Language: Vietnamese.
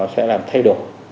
sẽ làm thay đổi